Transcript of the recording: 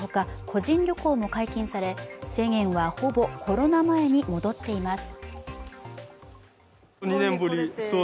個人旅行も解禁され制限は、ほぼコロナ前に戻っています。